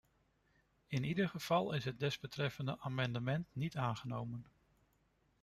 In ieder geval is het desbetreffende amendement niet aangenomen.